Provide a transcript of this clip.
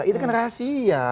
itu kan rahasia